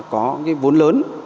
có cái vốn lớn